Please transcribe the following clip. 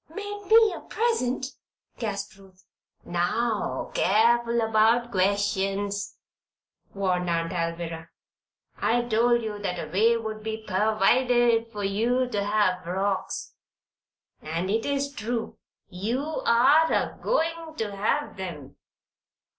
"Made me a present?" gasped Ruth. "Now, careful about questions," warned Aunt Alvirah. "I told you that a way would be pervided for you to have frocks. And it is true. You are a goin' to have 'em."